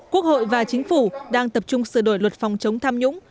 quốc hội và chính phủ đang tập trung sửa đổi luật phòng chống tham nhũng